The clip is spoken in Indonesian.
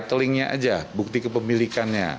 jadi titlingnya saja bukti kepemilikannya